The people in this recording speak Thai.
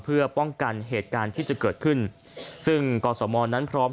เพื่อป้องกันเหตุการณ์ที่จะเกิดขึ้นซึ่งกรสมนั้นพร้อม